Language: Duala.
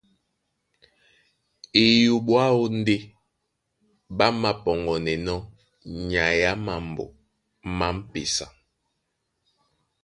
Eyoɓo aó ndé ɓá māpɔŋgɔnɛnɔ́ nyai á mambo má m̀pesa.